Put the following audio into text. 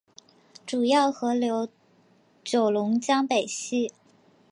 主要河流九龙江北溪。